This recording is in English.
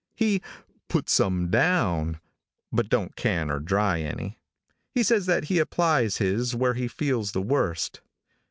He "puts some down," but don't can or dry any. He says that he applies his where he feels the worst.